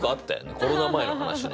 コロナ前の話ね。